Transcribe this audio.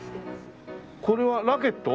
これはラケット？